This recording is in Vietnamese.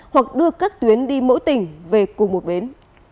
hoặc đưa các tuyến đi mỗi tỉnh về cùng một bến